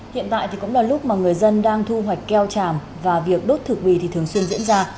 hiện tại thì cũng là lúc mà người dân đang thu hoạch keo tràm và việc đốt thực bì thì thường xuyên diễn ra